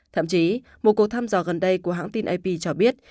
thậm chí một cuộc thăm dò gần đây của hãng tin ap cho biết